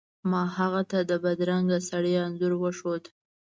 ما هغه ته د بدرنګه سړي انځور وښود.